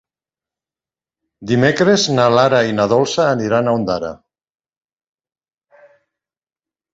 Dimecres na Lara i na Dolça aniran a Ondara.